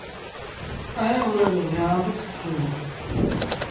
ائيٚݩ اُئي رو ويٚنهآݩ با ڪئيٚل اهي